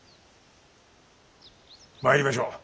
参りましょう。